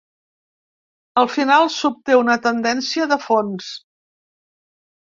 Al final, s’obté una tendència de fons.